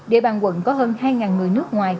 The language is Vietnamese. địa bàn quận có hơn hai người nước ngoài